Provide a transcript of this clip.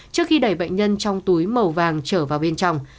trước khi đẩy bệnh nhân trong túi màu vàng trở vào bên trong